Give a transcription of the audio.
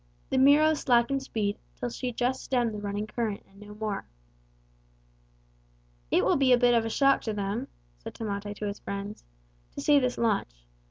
The Miro slackened speed till she just stemmed the running current and no more. "It will be a bit of a shock to them," said Tamate to his friends, "to see this launch.